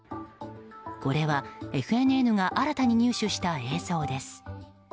これはＦＮＮが新たに入手した映像です。